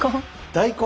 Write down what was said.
大根？